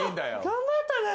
「頑張ったね」